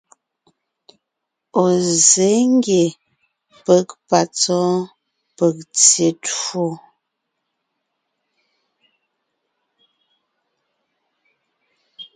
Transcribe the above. Ɔ̀ zsě ngie peg ,patsɔ́ɔn, peg tyé twó.